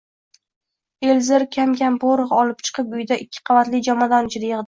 Elzer kam-kam porox olib chiqib, uni uyida ikki qavatli jomadon ichida yigʻdi